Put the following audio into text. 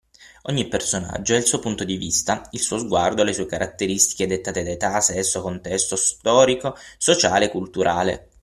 Ogni personaggio ha il suo punto di vista, il suo sguardo, le sue caratteristiche dettate da età, sesso, contesto storico, sociale, culturale.